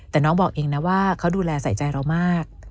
แต่น้องบอกเองนะว่าเขาดูแลใส่ใจเรามาก